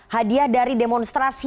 hadiah dari demonstrasi